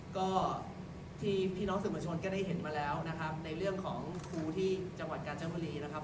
ก็ที่พี่น้องสื่อประชนก็ได้เห็นมาแล้วนะครับในเรื่องของครูที่จังหวัดกาญจนบุรีนะครับ